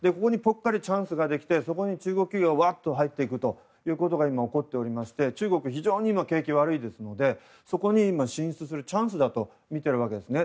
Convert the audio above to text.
ここでチャンスができて、そこに中国企業が入っていくということが起こっていまして中国は非常に景気が悪いですのでそこに進出するチャンスだとみているわけですね。